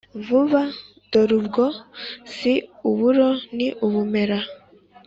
vuba, dorubwo si uburo ni ubumera!